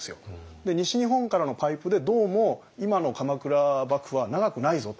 西日本からのパイプでどうも今の鎌倉幕府は長くないぞと。